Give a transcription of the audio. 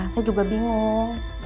saya juga bingung